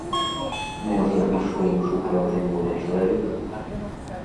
Можа, ішоў і шукаў жывога чалавека?